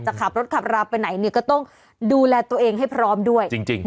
จะขับรถขับราบไปไหนก็ต้องดูแลตัวเองให้พร้อมด้วย